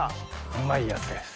うまいやつです。